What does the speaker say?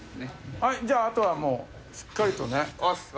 じゃあ、あとはもうしっかりとね。